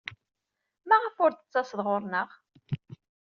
Maɣef ur d-tettaseḍ ɣer-neɣ?